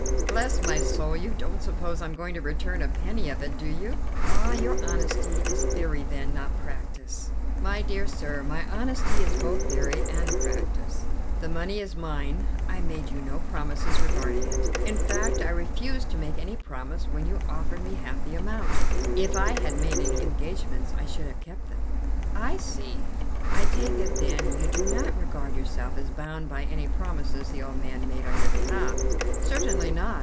"Bless my soul, you don't suppose I'm going to return a penny of it, do you?" "Ah, your honesty is theory then, not practice." "My dear sir, my honesty is both theory and practice. The money is mine. I made you no promises regarding it. In fact, I refused to make any promise when you offered me half the amount. If I had made any engagements I should have kept them." "I see. I take it then you do not regard yourself as bound by any promises the old man made on your behalf?" "Certainly not.